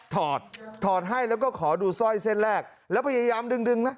ถอดถอดให้แล้วก็ขอดูสร้อยเส้นแรกแล้วพยายามดึงดึงนะ